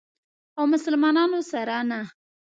او مسلمانانو سره نه.